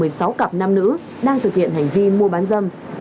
các cặp nam nữ đang thực hiện hành vi mua bán dâm